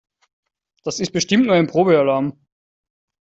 Das ist bestimmt nur ein Probealarm.